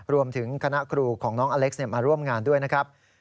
รวมถึงคณะครูของน้องอเล็กซ์มาร่วมงานด้วยนะครับ